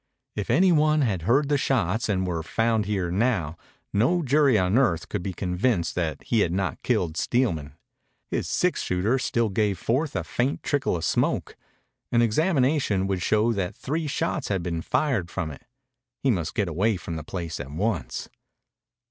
If any one had heard the shots and he were found here now, no jury on earth could be convinced that he had not killed Steelman. His six shooter still gave forth a faint trickle of smoke. An examination would show that three shots had been fired from it. He must get away from the place at once.